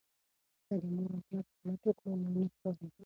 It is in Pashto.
که د مور او پلار خدمت وکړو نو نه خواریږو.